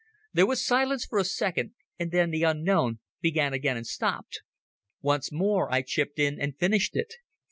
There was silence for a second, and then the unknown began again and stopped. Once more I chipped in and finished it.